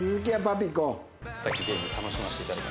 さっきゲーム楽しませていただきました。